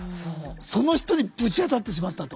その人にぶち当たってしまったと。